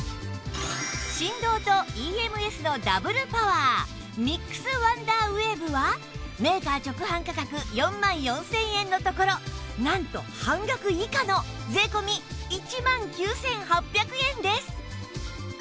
振動と ＥＭＳ のダブルパワーミックスワンダーウェーブはメーカー直販価格４万４０００円のところなんと半額以下の税込１万９８００円です